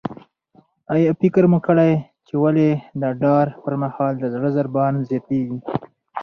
آیا مو فکر کړی چې ولې د ډار پر مهال د زړه ضربان زیاتیږي؟